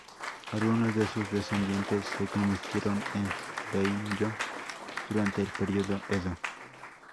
Algunos de sus descendientes se convirtieron en daimyō durante el periodo Edo.